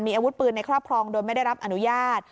มีอาวุธปืนในครอบครองโดยไม่ได้รับอนุญาต